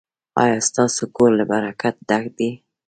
ایا ستاسو کور له برکت ډک دی؟